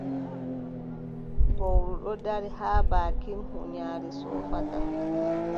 Fowru ɗon dari haa baakin huunyaare soofata.